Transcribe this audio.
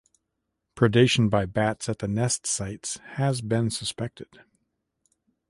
Predation by bats at the nest sites has been suspected.